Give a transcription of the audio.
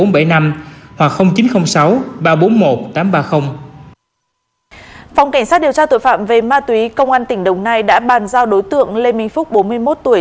phòng cảnh sát điều tra tội phạm về ma túy công an tỉnh đồng nai đã bàn giao đối tượng lê minh phúc bốn mươi một tuổi